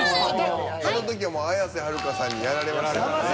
あの時は綾瀬はるかさんにやられましたからね。